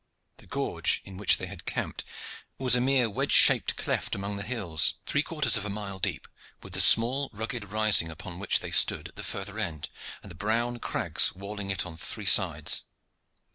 The gorge in which they had camped was a mere wedge shaped cleft among the hills, three quarters of a mile deep, with the small rugged rising upon which they stood at the further end, and the brown crags walling it in on three sides.